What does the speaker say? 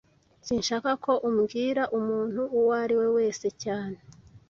Sinshaka ko ubwira umuntu uwo ari we wese cyane